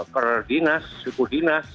per dinas suku dinas